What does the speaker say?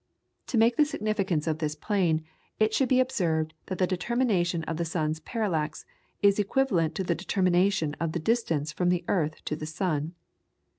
To make the significance of this plain, it should be observed that the determination of the sun's parallax is equivalent to the determination of the distance from the earth to the sun.